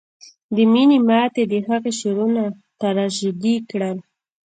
د مینې ماتې د هغه شعرونه تراژیدي کړل